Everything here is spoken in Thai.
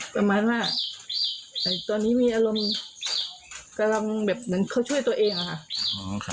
ประมาณว่าตอนนี้มีอารมณ์กำลังแบบเหมือนเขาช่วยตัวเองอะค่ะ